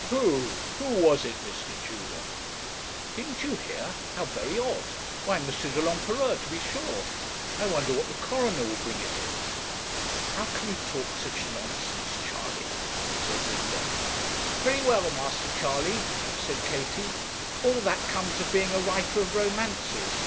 'Who? who was it, Mr. Tudor?' 'Didn't you hear? How very odd! Why M. de l'Empereur, to be sure. I wonder what the coroner will bring it in.' 'How can you talk such nonsense, Charley?' said Linda. 'Very well, Master Charley,' said Katie. 'All that comes of being a writer of romances.